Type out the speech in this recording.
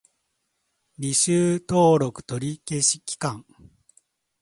履修登録取り消し期間